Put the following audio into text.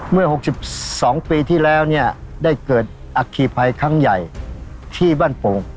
เมื่อ๖๒ปีที่แล้วเนี่ยได้เกิดอัคคีภัยครั้งใหญ่ที่บ้านโป่ง